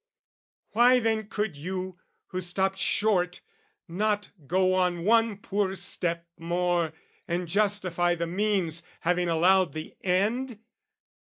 Why then could you, who stopped short, not go on One poor step more, and justify the means, Having allowed the end?